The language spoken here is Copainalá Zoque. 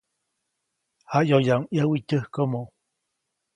Jaʼyoyaʼuŋ ʼyäwi tyäjkomo.